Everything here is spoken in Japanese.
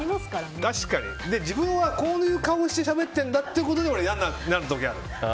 自分はこういう顔をしてしゃべってるんだっていうことで嫌になる時がある。